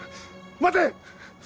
待て！